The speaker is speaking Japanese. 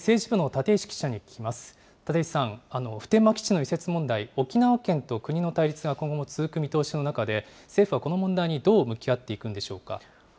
立石さん、普天間基地の移設問題、沖縄県と国の対立が今後続く見通しの中で、政府はこの問題にどう向き合っていくんでしょうか。